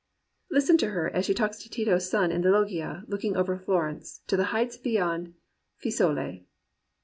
Listen to her as she talks to Tito's son in the loggia looking over Florence to the heights beyond Fiesole.